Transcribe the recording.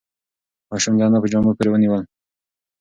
ماشوم د انا په جامو پورې ونیول.